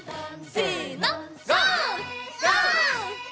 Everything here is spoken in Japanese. せの！